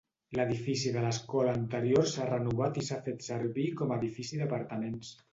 L'edifici de l'escola anterior s'ha renovat i s'ha fet servir com a edifici d'apartaments.